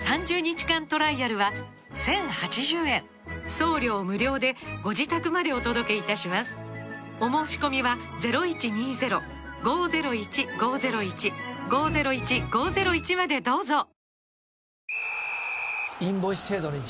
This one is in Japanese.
送料無料でご自宅までお届けいたしますお申込みはあ！